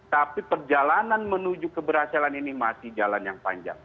tapi perjalanan menuju keberhasilan ini masih jalan yang panjang